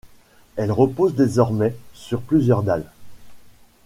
Elle repose désormais sur plusieurs dalles.